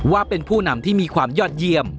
ว่าเป็นผู้นำที่มีความยอดเยี่ยม